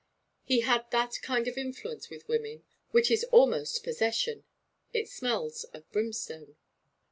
He had that kind of influence with women which is almost 'possession.' It smells of brimstone.